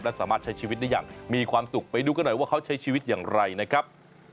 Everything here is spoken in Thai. และสามารถใช้ชีวิตได้อย่างมีความสุขไปดูกันหน่อยว่าเขาใช้ชีวิตอย่างไรนะครับ